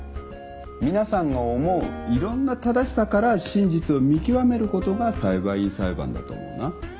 皆さんが思ういろんな正しさから真実を見極めることが裁判員裁判だと思うな。